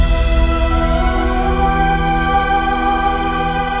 tidak masalah nona